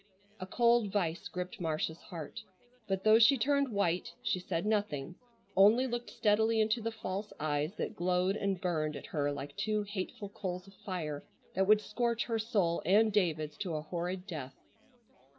A cold vise gripped Marcia's heart, but though she turned white she said nothing, only looked steadily into the false eyes that glowed and burned at her like two hateful coals of fire that would scorch her soul and David's to a horrid death.